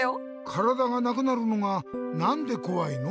からだがなくなるのがなんでこわいの？